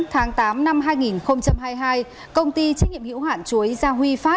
tháng tám năm hai nghìn hai mươi hai công ty trách nhiệm hiếu hoạn chuối gia huy phát